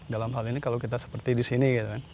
dalam hal ini kalau kita seperti disini